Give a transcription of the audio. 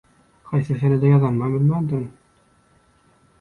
Haýsy senede ýazanymam bellemändirin.